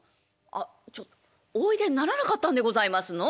あちょっおいでにならなかったんでございますの？」。